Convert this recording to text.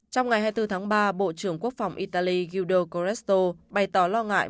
trong ngày hai mươi bốn tháng ba bộ trưởng quốc phòng italy gildo corresto bày tỏ lo ngại